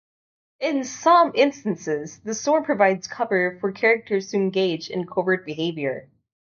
In some instances, the storm provides cover for characters to engage in covert behavior.